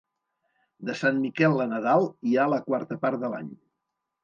De Sant Miquel a Nadal hi ha la quarta part de l'any.